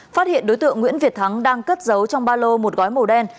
phát hiện đối tượng nguyễn việt thắng đang cất giấu trong ba lô một gói màu đen